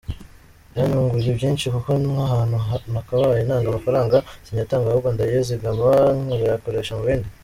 Byanyunguye byinshi kuko nk’ahantu nakabaye ntanga amafaranga, sinyatanga ahubwo ndayazigama nkayakoresha mu bindi.